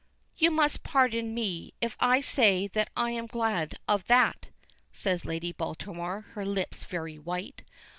"You must pardon me if I say that I am glad of that," says Lady Baltimore, her lips very white.